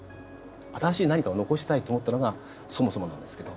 新しい何かを残したいと思ったのがそもそもなんですけど。